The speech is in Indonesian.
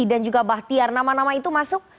dan juga bahtiar nama nama itu masuk